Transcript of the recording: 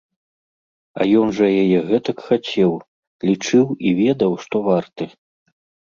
А ён жа яе гэтак хацеў, лічыў і ведаў, што варты.